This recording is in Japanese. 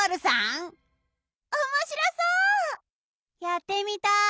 やってみたい。